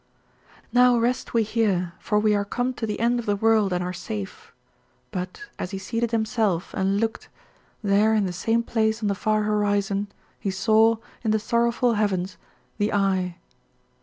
"'Now rest we here, for we are come to the end of the world and are safe,' but, as he seated himself and looked, there in the same place on the far horizon he saw, in the sorrowful heavens, the Eye.